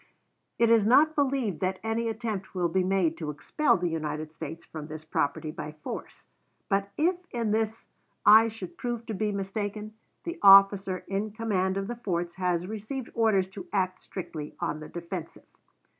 It is not believed that any attempt will be made to expel the United States from this property by force; but if in this I should prove to be mistaken, the officer in command of the forts has received orders to act strictly on the defensive.